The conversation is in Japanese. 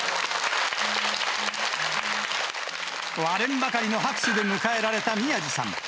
割れんばかりの拍手で迎えられた宮治さん。